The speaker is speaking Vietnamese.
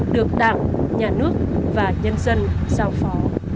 được đảng nhà nước và nhân dân giao phó